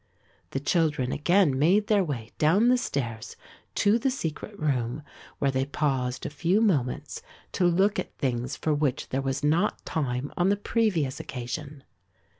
The children again made their way down the stairs to the secret room where they paused a few moments to look at things for which there was not time on the previous occasion.